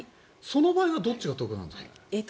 その場合はどっちがお得なんですか。